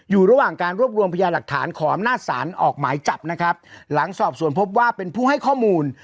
อยู่ระหว่างการรวบรวมพยาหลักฐานขออำนาจศาลออกหมายจับนะครับหลังสอบสวนพบว่าเป็นผู้ให้ข้อมูล